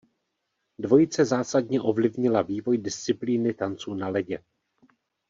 Dvojice zásadně ovlivnila vývoj disciplíny tanců na ledě.